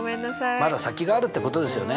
まだ先があるってことですよね。